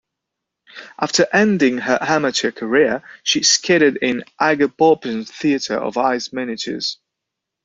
After ending her amateur career, she skated in Igor Bobrin's Theater of Ice Miniatures.